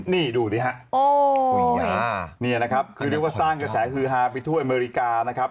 นี่ดูสิฮะนี่นะครับคือเรียกว่าสร้างกระแสฮือฮาไปทั่วอเมริกานะครับ